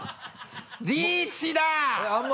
リーチだ！